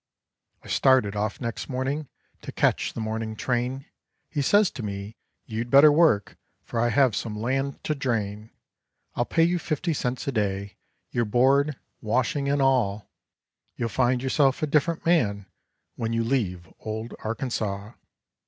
I started off next morning to catch the morning train, He says to me, "You'd better work, for I have some land to drain. I'll pay you fifty cents a day, your board, washing, and all, You'll find yourself a different man when you leave old Arkansaw."